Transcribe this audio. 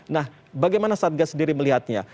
nah bagaimana satgas sendiri melihatnya